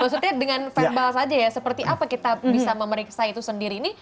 maksudnya dengan verbal saja ya seperti apa kita bisa memeriksa itu sendiri ini